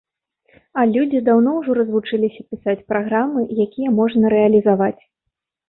А людзі даўно ўжо развучыліся пісаць праграмы, якія можна рэалізаваць.